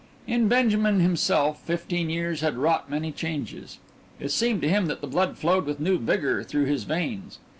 In Benjamin himself fifteen years had wrought many changes. It seemed to him that the blood flowed with new vigour through his veins.